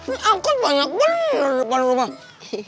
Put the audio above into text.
ini angkot banyak banget di depan rumah